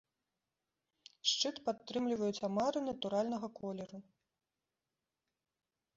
Шчыт падтрымліваюць амары натуральнага колеру.